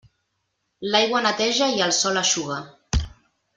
L'aigua neteja i el sol eixuga.